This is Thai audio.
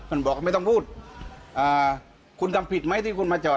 มันบอกไม่ต้องพูดอ่าคุณทำผิดไหมที่คุณมาจอด